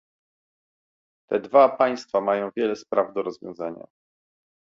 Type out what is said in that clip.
Te dwa państwa mają wiele spraw do rozwiązania